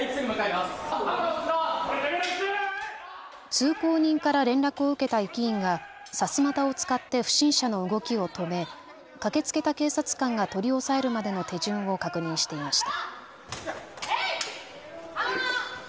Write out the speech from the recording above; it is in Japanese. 通行人から連絡を受けた駅員がさすまたを使って不審者の動きを止め、駆けつけた警察官が取り押さえるまでの手順を確認していました。